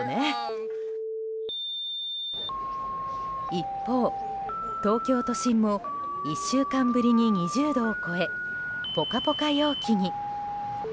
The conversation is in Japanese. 一方、東京都心も１週間ぶりに２０度を超えポカポカ陽気に。